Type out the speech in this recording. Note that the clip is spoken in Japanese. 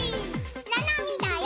ななみだよ！